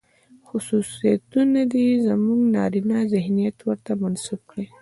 خصوصيتونه دي، چې زموږ نارينه ذهنيت ورته منسوب کړي دي.